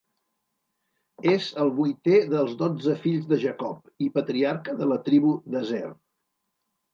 És el vuitè dels dotze fills de Jacob i patriarca de la tribu d'Aser.